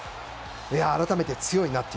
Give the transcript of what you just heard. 改めて強いなと。